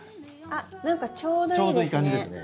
あっ何かちょうどいいですね。